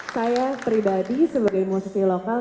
saya pribadi sebagai musisi lokal